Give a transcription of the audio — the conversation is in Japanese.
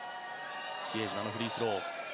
比江島のフリースロー